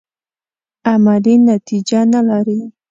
عملي نتیجه نه لري.